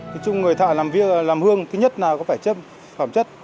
nói chung người thợ làm hương thứ nhất là có phải chất phẩm chất